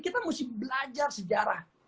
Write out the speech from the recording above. kita mesti belajar sejarah